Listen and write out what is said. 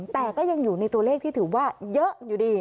แต่ก็ยังอยู่ในตัวเลขที่ถือว่าเยอะอยู่ดี